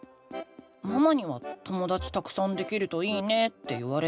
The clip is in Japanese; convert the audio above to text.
ママには「ともだちたくさんできるといいね」って言われたけど。